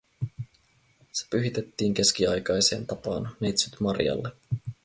Se pyhitettiin keskiaikaiseen tapaan Neitsyt Marialle